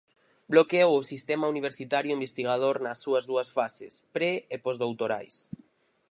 Bloqueou o Sistema universitario investigador nas súas dúas fases, pre e posdoutorais.